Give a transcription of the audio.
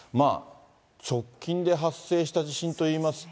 直近で発生した地震といいますと。